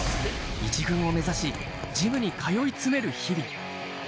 １軍を目指し、ジムに通い詰める日々。